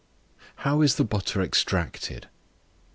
How is the Butter extracted?